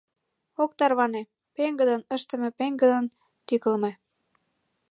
Ок тарване: пеҥгыдын ыштыме, пеҥгыдын тӱкылымӧ...